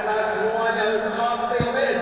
kita semuanya harus optimis